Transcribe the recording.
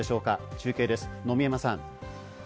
中継です、野見山さん。